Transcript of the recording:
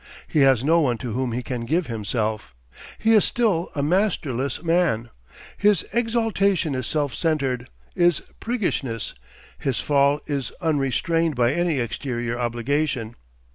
He has no one to whom he can give himself. He is still a masterless man. His exaltation is self centred, is priggishness, his fall is unrestrained by any exterior obligation.